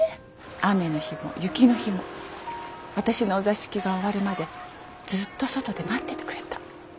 雨の日も雪の日も私のお座敷が終わるまでずっと外で待っててくれた。